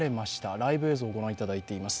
ライブ映像をご覧いただいています。